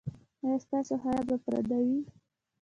ایا ستاسو حیا به پرده وي؟